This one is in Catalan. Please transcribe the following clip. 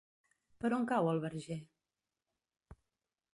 Per on cau el Verger?